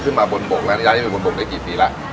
เช่นอาชีพพายเรือขายก๋วยเตี๊ยว